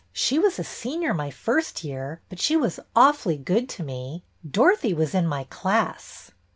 She was a senior my first year, but she was awfully good to me. Dorothy was in my class."